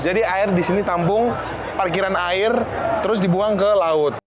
jadi air disini tampung parkiran air terus dibuang ke laut